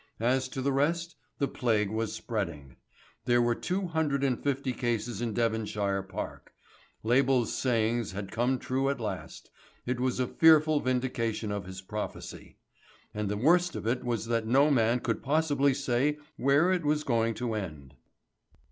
As to the rest, the plague was spreading. There were two hundred and fifty cases in Devonshire Park. Label's sayings had come true at last; it was a fearful vindication of his prophecy. And the worst of it was that no man could possibly say where it was going to end.